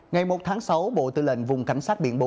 ngày một tháng sáu bộ tư lệnh vùng cảnh sát biển bốn